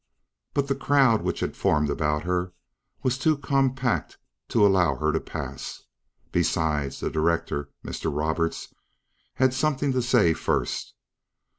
But the crowd which had formed about her was too compact to allow her to pass. Besides, the director, Mr. Roberts, had something to say first.